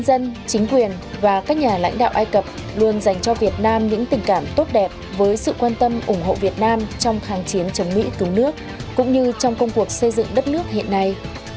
dân chính quyền và các nhà lãnh đạo ai cập luôn dành cho việt nam những tình cảm tốt đẹp với sự quan tâm ủng hộ việt nam trong kháng chiến chống mỹ cứu nước cũng như trong công cuộc xây dựng đất nước hiện nay